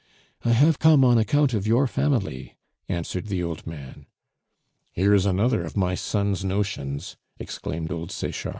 "I have come on account of your family," answered the old man. "Here is another of my son's notions!" exclaimed old Sechard.